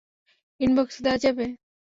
ইনবক্সে দেওয়া যাবে?